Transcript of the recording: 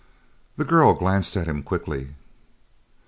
The girl glanced at him quickly.